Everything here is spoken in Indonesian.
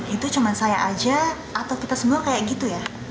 itu cuma saya aja atau kita semua kayak gitu ya